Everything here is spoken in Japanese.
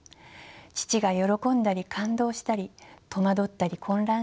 父が喜んだり感動したり戸惑ったり混乱したり。